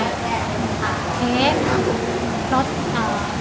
ลูกตาเท็ก